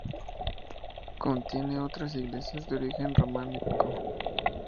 Contiene otras iglesias de origen románico.